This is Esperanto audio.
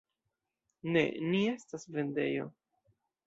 Ne, ni estas vendejo.